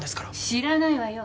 知らないわよ。